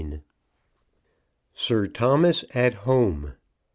SIR THOMAS AT HOME.